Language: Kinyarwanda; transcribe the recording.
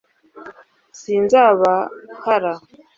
sinzabahara